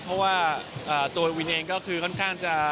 เพราะว่าตัววินเองก็คือค่อนข้างจะ